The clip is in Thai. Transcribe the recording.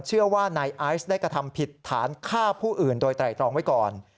เชื่อว่านายไอซ์ได้กระทำผิดฐานฆ่าผู้อื่นโดยไตรตรองไว้ก่อน